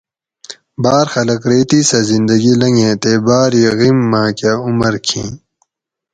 باۤر خلک ریتی سہۤ زندہ گی لنگیں تے باۤر ئ غیم ماۤک عمر کھیں